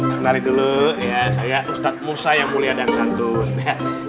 senari dulu ya saya ustadz musa yang mulia dan santun